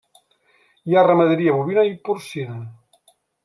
Hi ha ramaderia bovina i porcina.